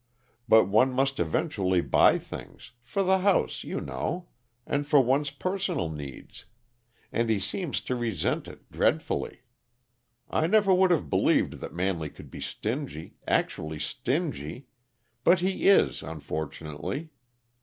But one must eventually buy things for the house, you know, and for one's personal needs and he seems to resent it dreadfully. I never would have believed that Manley could be stingy actually stingy; but he is, unfortunately.